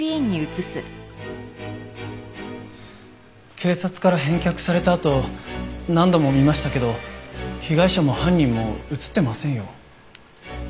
警察から返却されたあと何度も見ましたけど被害者も犯人も写ってませんよ。